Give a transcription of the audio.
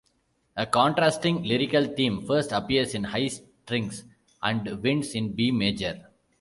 A contrasting lyrical theme first appears in high strings and winds in B major.